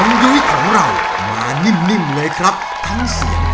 เนื้อเป็นไงคะยุ้ยร้องไปแล้วโอเคไหม